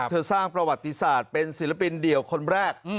สร้างประวัติศาสตร์เป็นศิลปินเดี่ยวคนแรก